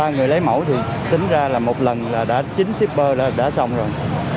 ba người lấy mẫu thì tính ra là một lần là đã chín shipper đã xong rồi